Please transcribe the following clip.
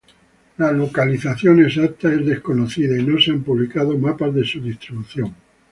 La localización exacta es desconocida y no se han publicado mapas de su distribución.